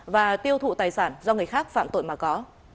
và tiêu thụ tài sản do người khác phạm tội mà có